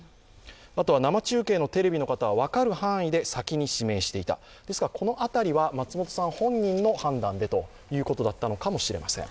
あとは生中継のテレビの方は分かる範囲で先に指名していた、ですからこの辺りは松本さん本人の判断でということだったのかもしれません。